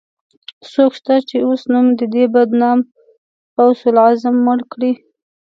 څوک شته، چې اوس نوم د دې بدنام غوث العظم مړ کړي